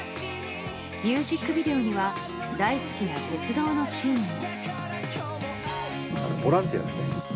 ミュージックビデオには大好きな鉄道のシーンも。